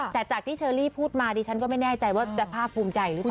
แต่จากที่เชอรี่พูดมาดิฉันก็ไม่แน่ใจว่าจะภาคภูมิใจหรือเปล่า